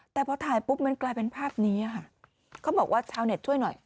แต่พอถ่ายปุ๊บมันกลายเป็นภาพนี้ค่ะเขาบอกว่าชาวเน็ตช่วยหน่อย